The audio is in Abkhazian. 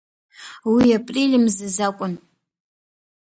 Уи април мзазы акәын.